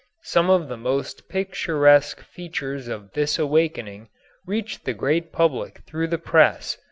Some of the most picturesque features of this awakening reached the great public through the press.